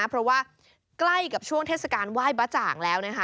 เพราะว่าใกล้กับช่วงเทศกาลไหว้บ๊ะจ่างแล้วนะคะ